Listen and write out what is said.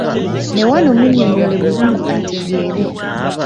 Ne wano munnyonnyole bulungi ategeere.